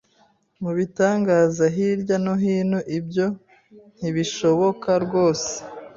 Mu bitangaza hirya no hino Ibyo ntibishoboka rwose